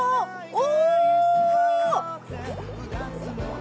お！